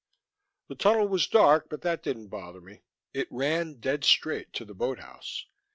The tunnel was dark but that didn't bother me. It ran dead straight to the boathouse.